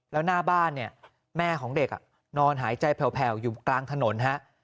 แล้วหน้าบ้านเนี่ยแม่ของเด็กนอนหายใจแผ่วอยู่กลางถนนฮะ